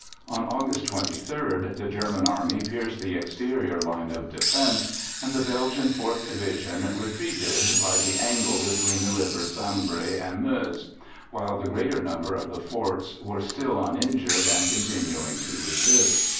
On August 23rd, the German Army pierced the exterior line of defence, and the Belgian 4th Division retreated by the angle between the rivers Sambre and Meuse, while the greater number of the forts were still uninjured and continuing to resist.